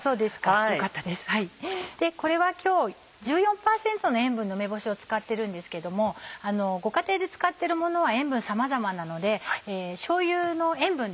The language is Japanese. これは今日１４％の塩分の梅干しを使ってるんですけどもご家庭で使ってるものは塩分さまざまなのでしょうゆの塩分